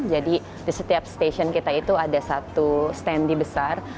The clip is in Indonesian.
jadi di setiap stasiun kita itu ada satu standee besar